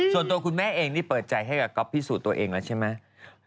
ส่วนตัวคุณแม่เองนี่เปิดใจให้กับก๊อฟพิสูจน์ตัวเองแล้วใช่ไหม